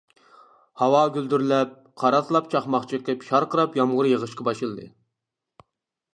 ھاۋا گۈلدۈرلەپ، قاراسلاپ چاقماق چېقىپ شارقىراپ يامغۇر يېغىشقا باشلىدى.